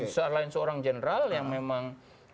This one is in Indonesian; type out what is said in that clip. selain seorang general yang memang